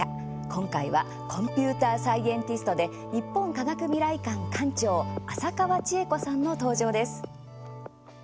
今回は、コンピューターサイエンティストで日本科学未来館館長浅川智恵子さんの登場です。